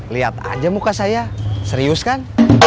lihat aja muka saya serius kan